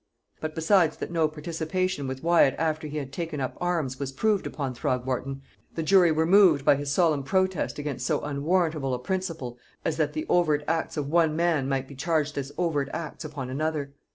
But besides that no participation with Wyat after he had taken up arms, was proved upon Throgmorton, the jury were moved by his solemn protest against so unwarrantable a principle as that the overt acts of one man might be charged as overt acts upon another.